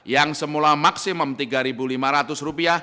yang semula maksimum rp tiga lima ratus